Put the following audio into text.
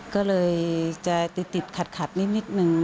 ก็เลยจะติดขัดนิดนึง